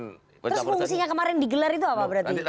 terus fungsinya kemarin digelar itu apa berarti